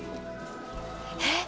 えっ！